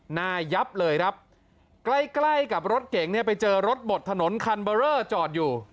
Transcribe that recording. ยับเลยครับใกล้ใกล้กับรถเก๋งเนี่ยไปเจอรถบดถนนคันเบอร์เลอร์จอดอยู่